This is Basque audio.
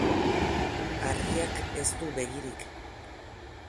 Harriak ez du begirik.